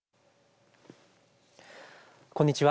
こんにちは。